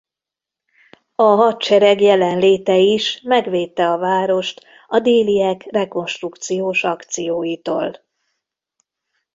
A hadsereg jelenléte is megvédte a várost a déliek rekonstrukciós akcióitól.